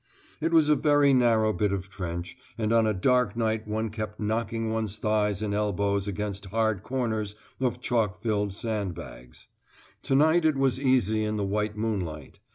It was a very narrow bit of trench, and on a dark night one kept knocking one's thighs and elbows against hard corners of chalk filled sand bags. To night it was easy in the white moonlight.